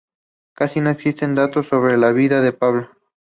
Casi no existen datos sobre la vida de Pablo.